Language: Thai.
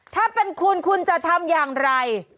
ถ้าเป็นคุณคุณจะทำอย่างไร